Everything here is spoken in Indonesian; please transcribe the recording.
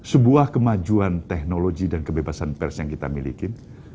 sebuah kemajuan teknologi dan kebebasan pers yang kita miliki